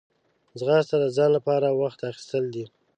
ځغاسته د ځان لپاره وخت اخیستل دي